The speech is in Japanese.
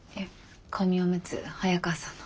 紙おむつ早川さんの。